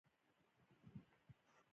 زه ستاسو ملاتړ کوم